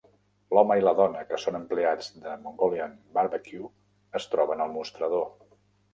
L'home i la dona que són empleats de Mongolian Barbecue es troben al mostrador.